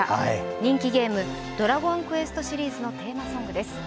人気ゲーム「ドラゴンクエスト」シリーズのテーマソングです。